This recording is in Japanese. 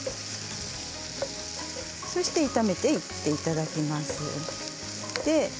そして炒めていただきます。